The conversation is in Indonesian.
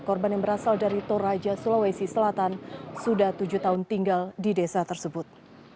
korban yang berasal dari toraja sulawesi selatan sudah tujuh tahun tinggal di desa tersebut